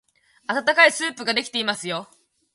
あたたかいスープができていますよ。